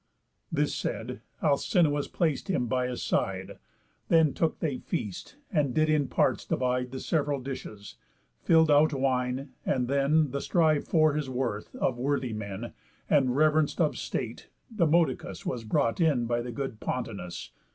This said, Alcinous plac'd him by his side. Then took they feast, and did in parts divide The sev'ral dishes, fill'd out wine, and then The striv'd for for his worth of worthy men, And rev'renc'd of the state, Demodocus Was brought in by the good Pontonous.